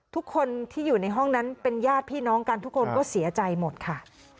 ทุกคนที่อยู่ในห้องนั้นเป็นญาติพี่น้องกันทุกคนก็เสียใจหมดค่ะ